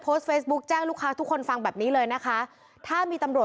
พยานเกี่ยวกับน่าจะเกี่ยวกับอีกครั้งหัวงวงอะไรนี่แบบอีกครั้งอะไรนะครับ